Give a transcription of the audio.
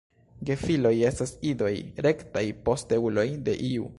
Gefiloj estas idoj, rektaj posteuloj de iu.